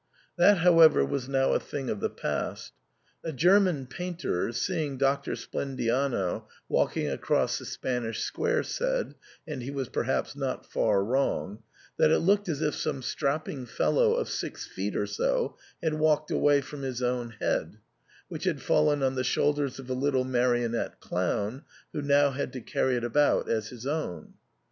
That however was now a thing of the past. A Ger man painter, seeing Doctor Splendiano walking across the Spanish Square, said — and he was perhaps not far wrong — that it looked as if some strapping fellow of six feet or so had walked away from his own head, which had fallen on the shoulders of a little marionette clown, who now had to carry it about as his own.